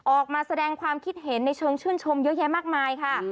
ออกมาแสดงความคิดเห็นในเชิงชื่นชมเยอะแยะมากมายค่ะ